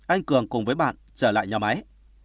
anh cường cùng với bạn trở lại nhà máy